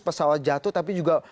pesawat jatuh tapi juga